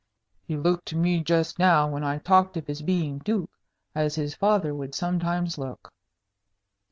"He looked at me just now, when I talked of his being duke, as his father would sometimes look."